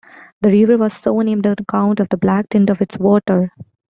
The river was so named on account of the black tint of its water.